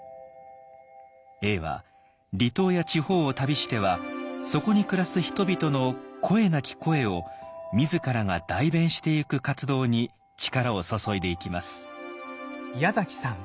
永は離島や地方を旅してはそこに暮らす人々の声なき声を自らが代弁してゆく活動に力を注いでいきます。